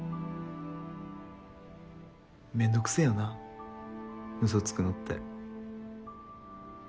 めんどくせぇよなうそつくのって。